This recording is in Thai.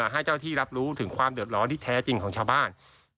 ให้เจ้าที่รับรู้ถึงความเดือดร้อนที่แท้จริงของชาวบ้าน